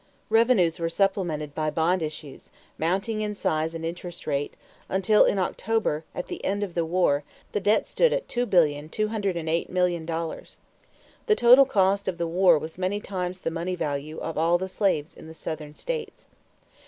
Revenues were supplemented by bond issues, mounting in size and interest rate, until in October, at the end of the war, the debt stood at $2,208,000,000. The total cost of the war was many times the money value of all the slaves in the Southern states.